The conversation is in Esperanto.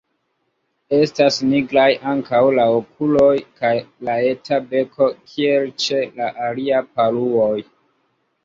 Estas nigraj ankaŭ la okuloj kaj la eta beko, kiel ĉe la aliaj paruoj.